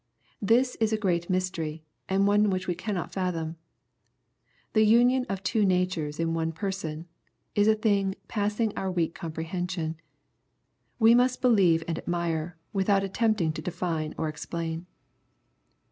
This is a great mystery, and one which we cannot fathom. The union of two natures in one Person, is a thing passing our weak comprehension. We must believe and admire, without attempting to define or explain.